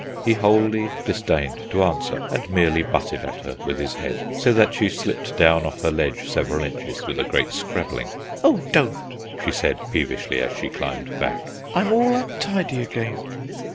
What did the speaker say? He wholly disdained to answer, and merely butted at her with his head, so that she slipped down off her ledge several inches, with a great scrabbling. "Oh, don't!" she said peevishly, as she climbed back. "I'm all untidy again."